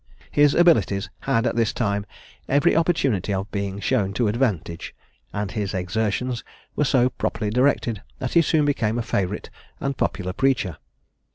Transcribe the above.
His abilities had at this time every opportunity of being shown to advantage; and his exertions were so properly directed, that he soon became a favourite and popular preacher.